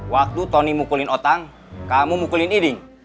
waktu tony mukulin otak kamu mukulin iding